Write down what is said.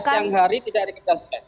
tak ada siang hari tidak direkomendasikan